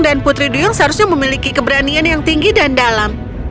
dan putri duyung seharusnya memiliki keberanian yang tinggi dan dalam